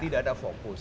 tidak ada fokus